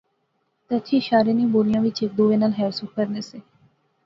تہ اچھی شارے نیاں بولیا وچ ہیک دوہے کنے خیر سکھ کرنے سے